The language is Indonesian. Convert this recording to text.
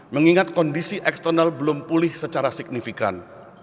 mengingat kondisi eksternal belum pulih secara signifikan